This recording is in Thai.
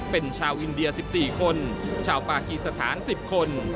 เป็นชาวอินเดีย๑๔คนชาวปากีสถาน๑๐คน